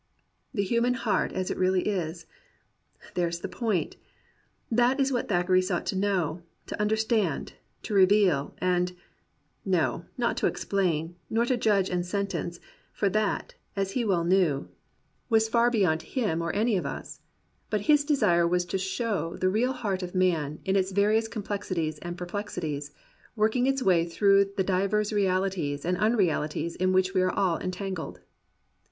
The human heart as it really is — there's the point ! That is what Thackeray sought to know, to under stand, to reveal, and — no ! not to explain, nor to judge and sentence — for that, as he well knew, was 111 COMPANIONABLE BOOKS far beyond him or any of us — ^but his desire was to show the real heart of man, in its various complexi ties and perplexities, working its way through the divers realities and unrealities in which we are all entangled.